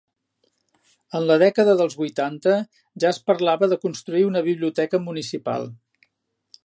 En la dècada dels vuitanta ja es parlava de construir una biblioteca municipal.